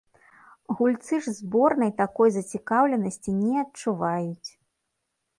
Гульцы ж зборнай такой зацікаўленасці не адчуваюць.